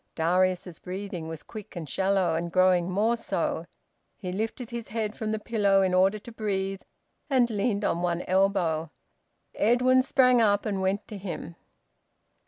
Darius's breathing was quick and shallow, and growing more so. He lifted his head from the pillow in order to breathe, and leaned on one elbow. Edwin sprang up and went to him.